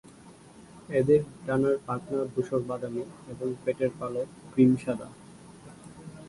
এদের ডানার পাখনা ধূসর বাদামী এবং পেটের পালক ক্রিম সাদা।